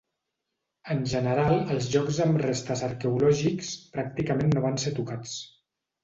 En general els llocs amb restes arqueològics pràcticament no van ser tocats.